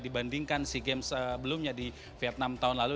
dibandingkan si game sebelumnya di vietnam tahun lalu